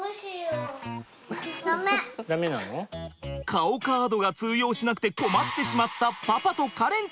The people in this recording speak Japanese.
顔カードが通用しなくて困ってしまったパパと香蓮ちゃん。